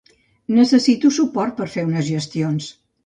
Necessito suport per fer unes gestions.